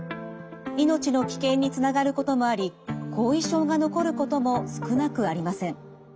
命の危険につながることもあり後遺症が残ることも少なくありません。